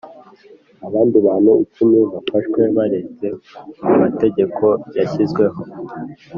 Abandi bantu icumi bafashwe barenze ku mategeko yashyizweho